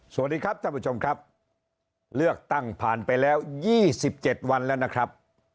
สวัสดีครับท่านผู้ชมครับเลือกตั้งผ่านไปแล้ว๒๗วันแล้วนะครับ